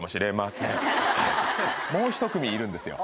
もう１組いるんですよ。